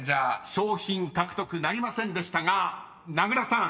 賞品獲得なりませんでしたが名倉さん